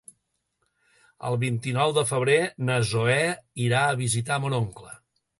El vint-i-nou de febrer na Zoè irà a visitar mon oncle.